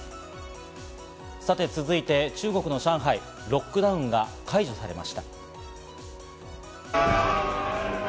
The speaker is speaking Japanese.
続いて、中国の上海、ロックダウンが解除されました。